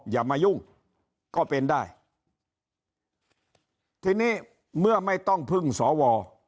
อย่ามายุ่งก็เป็นได้ทีนี้เมื่อไม่ต้องพึ่งสอวอ